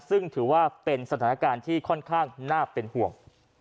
ซึ่งถือว่าเป็นสถานการณ์ที่ค่อนข้างน่าเป็นห่วง